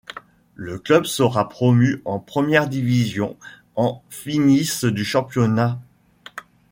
Le club sera promu en première division en finissent du championnat.